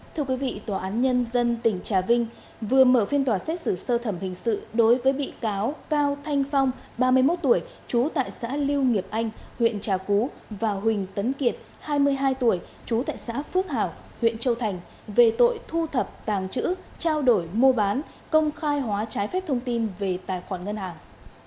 thưa quý vị tòa án nhân dân tỉnh trà vinh vừa mở phiên tòa xét xử sơ thẩm hình sự đối với bị cáo cao thanh phong ba mươi một tuổi chú tại xã liêu nghiệp anh huyện trà cú và huỳnh tấn kiệt hai mươi hai tuổi chú tại xã phước hảo huyện châu thành về tội thu thập tàng chữ trao đổi mua bán công khai hóa trái phép thông tin về tài khoản ngân hàng